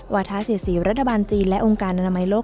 วาทะเสียสีรัฐบาลจีนและองค์การอนามัยโลก